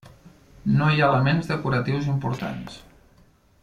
No hi ha elements decoratius importants.